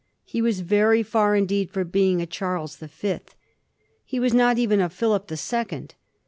He was very fitr indeed from being a Charles the Fifth. He was not even a Philip the Second.